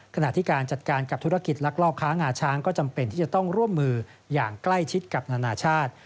ขณะที่การจัดการกับธุรกิจลักลอบค้างาช้างก็จำเป็นที่จะต้องร่วมมืออย่างใกล้ชิดกับนานาชาติ